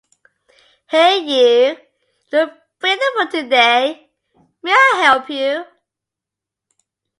Hey you, you look beautiful today, may I help you?